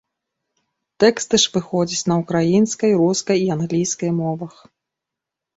Тэксты ж выходзяць украінскай, рускай і англійскай мовах.